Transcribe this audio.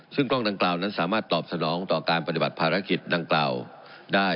ซึ่งกล้องดังกล่าวนั้นสามารถตอบสนองต่อการปฏิบัติภารกิจดังกล่าวได้